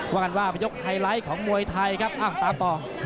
ว่ากันว่าเป็นยกไฮไลท์ของมวยไทยครับตามต่อ